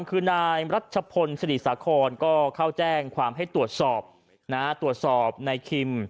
คือนายรัชพลสงสีศาลกรก็ข้าวแจ้งความให้ตรวจสอบน้าตรวจสอบในคิม